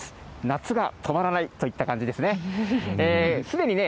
夏が止まらないといった感じですね。